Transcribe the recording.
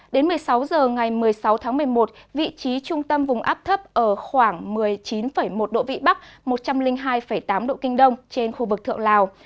đến một mươi sáu h ngày một mươi sáu tháng một mươi một vị trí trung tâm vùng áp thấp ở khoảng một mươi chín một độ vị bắc một trăm linh hai tám độ kinh đông trên khu vực thượng lào